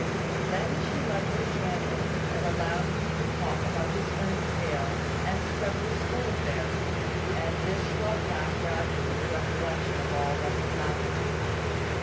Then she lighted a candle, and allowed him to talk about his friend Dale, and several school affairs; and this brought back gradually the recollection of all that had happened.